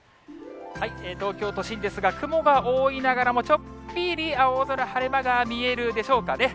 東京都心ですが、雲が多いながらも、ちょっぴり青空、晴れ間が見えるでしょうかね。